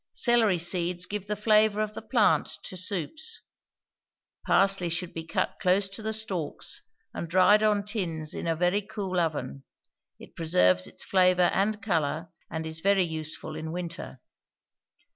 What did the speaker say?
Celery seeds give the flavor of the plant to soups. Parsley should be cut close to the stalks, and dried on tins in a very cool oven; it preserves its flavor and color, and is very useful in winter.